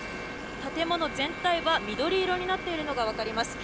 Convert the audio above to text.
建物全体は緑色になっているのが分かります。